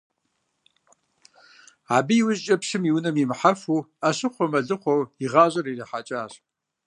Абы иужькӏэ, пщым и унэ имыхьэфу, Ӏэщыхъуэ-мэлыхъуэу и гъащӀэр ирихьэкӏащ.